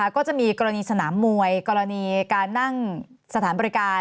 ก็จะมีกรณีสนามมวยกรณีการนั่งสถานบริการ